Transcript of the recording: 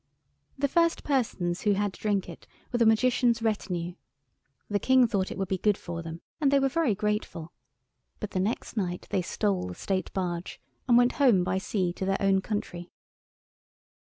The first persons who had to drink it were the Magician's retinue. The King thought it would be good for them, and they were very grateful; but the next night they stole the State barge, and went home by sea to their own country.